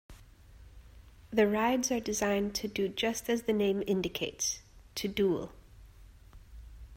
The rides are designed to do just as the name indicates: to duel.